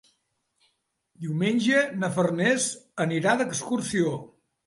Diumenge na Farners anirà d'excursió.